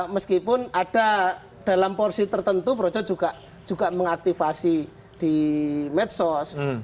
meskipun ada dalam porsi tertentu projo juga mengaktifasi di medsos